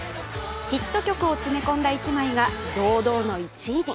ヒット曲を詰め込んだ一枚が堂々の１位に。